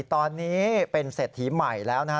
ตอนนี้เป็นเศรษฐีใหม่แล้วนะฮะ